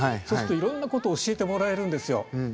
そうするといろんなことを教えてもらえるんですよ。